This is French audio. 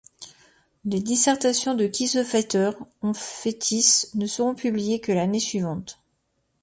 Les dissertations de Kiesewetter en Fétis ne seront publiées que l'année suivante.